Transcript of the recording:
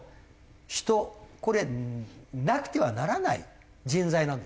これなくてはならない人材なんですね。